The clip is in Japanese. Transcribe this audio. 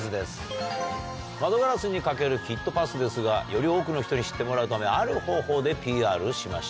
窓ガラスに描けるキットパスですがより多くの人に知ってもらうためある方法でＰＲしました。